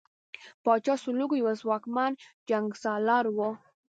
پاچا سلوکو یو ځواکمن جنګسالار وو.